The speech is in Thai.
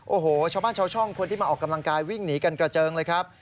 โอ้โหชาวบ้านชาวช่องคนที่มาออกกำลังกายวิ่งหนีกันกระเจิงเลยครับ